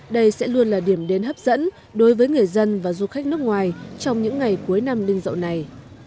đây sẽ luôn là điểm đến hấp dẫn đối với người dân và du khách nước ngoài trong những ngày cuối năm linh dậu này